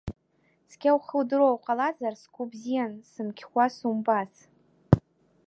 Цқьа ухы удыруа уҟалазар сгәы бзиан, сымқьуа сумбац…